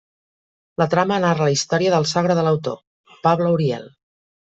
La trama narra la història del sogre de l'autor, Pablo Uriel.